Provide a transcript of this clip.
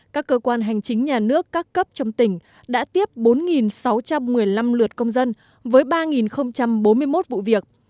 các cơ quan hành chính nhà nước các cấp trong tỉnh đã tiếp bốn sáu trăm một mươi năm lượt công dân với ba bốn mươi một vụ việc